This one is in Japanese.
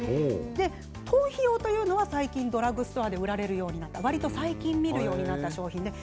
頭皮用というのは最近ドラッグストアで売られるようになってわりと最近見るようになった商品です。